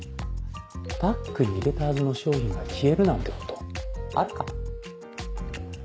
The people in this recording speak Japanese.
バッグに入れたはずの商品が消えるなんてことあるか？